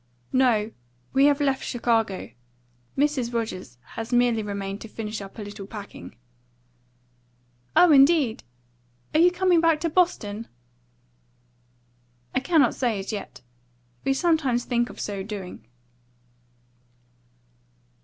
"No; we have left Chicago. Mrs. Rogers has merely remained to finish up a little packing." "Oh, indeed! Are you coming back to Boston?" "I cannot say as yet. We sometimes think of so doing."